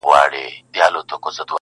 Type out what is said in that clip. بلکي غواړم چي په انګليسي ژبه